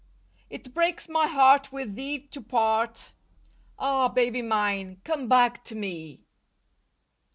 It breaks my heart with thee to part, Ah, baby mine, come back to me.